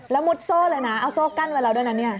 แล้วมุดโซ่เลยนะเอาโซ่กั้นไว้เราด้วยนะ